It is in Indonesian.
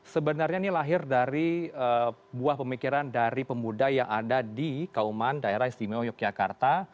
sebenarnya ini lahir dari buah pemikiran dari pemuda yang ada di kauman daerah istimewa yogyakarta